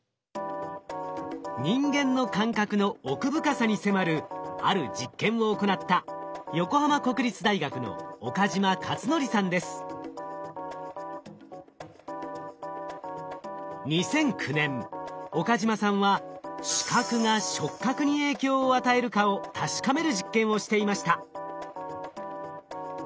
人間の感覚の奥深さに迫るある実験を行った２００９年岡嶋さんは視覚が触覚に影響を与えるかを確かめる実験をしていました。